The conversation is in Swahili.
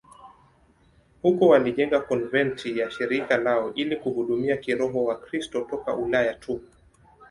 Huko walijenga konventi ya shirika lao ili kuhudumia kiroho Wakristo toka Ulaya tu.